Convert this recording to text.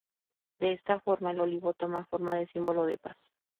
De esta forma el olivo toma forma de símbolo de paz.